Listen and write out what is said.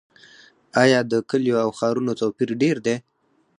آیا د کلیو او ښارونو توپیر ډیر دی؟